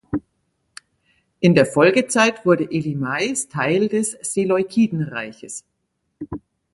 In der Folgezeit wurde Elymais Teil des Seleukidenreiches.